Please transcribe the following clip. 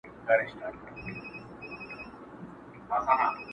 هغه مي خړ وطن سمسور غوښتی؛